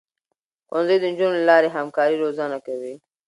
ښوونځی د نجونو له لارې همکاري روزنه کوي.